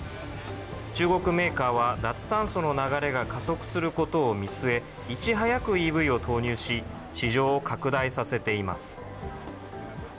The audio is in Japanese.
中国メーカーは脱炭素の流れが加速することを見据え、いち早くＥＶを投入し、市場を拡大させています。